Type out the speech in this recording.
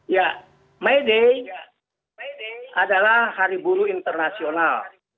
ya may day adalah hari buruh internasional